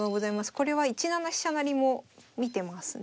これは１七飛車成も見てますね。